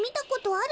ある！